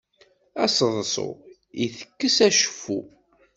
Aseḍsu itekkes acuffu.